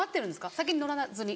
先に乗らずに。